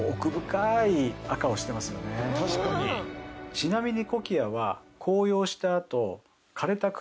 ちなみに。